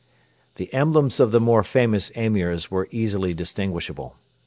The emblems of the more famous Emirs were easily distinguishable.